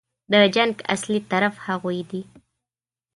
د جنګ اصلي طرف هغوی دي.